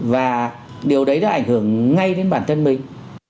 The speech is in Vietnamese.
và điều đấy đã ảnh hưởng ngay đến bản thân mình